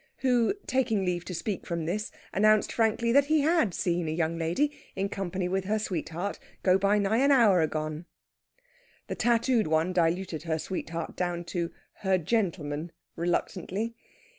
Who, taking leave to speak from this, announced frankly that he had seen a young lady, in company with her sweetheart, go by nigh an hour agone. The tattooed one diluted her sweetheart down to "her gentleman" reluctantly.